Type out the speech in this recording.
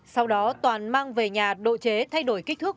sau đó toàn mang về nhà độ chế thay đổi kích thước